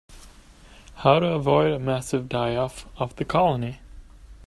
How to avoid a massive die-off of the colony.